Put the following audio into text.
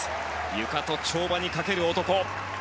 ゆかと跳馬にかける男。